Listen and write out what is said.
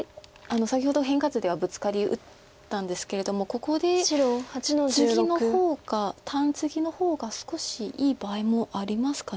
先ほど変化図ではブツカリ打ったんですけれどもここでツギの方が単ツギの方が少しいい場合もありますか。